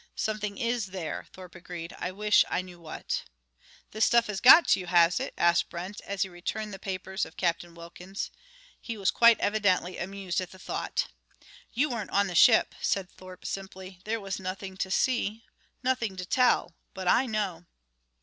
"Something is there," Thorpe agreed. "I wish I knew what." "This stuff has got to you, has it?" asked Brent as he returned the papers of Captain Wilkins. He was quite evidently amused at the thought. "You weren't on the ship," said Thorpe, simply. "There was nothing to see nothing to tell. But I know...."